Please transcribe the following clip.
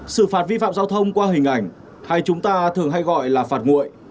xử phạt vi phạm giao thông qua hình ảnh hay chúng ta thường hay gọi là phạt nguội